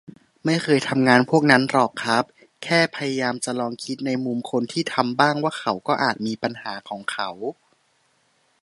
ไม่เคยทำงานพวกนั้นหรอกครับ แค่พยายามจะลองคิดในมุมคนที่ทำบ้าง ว่าเขาก็อาจมี 'ปัญหา' ของเขา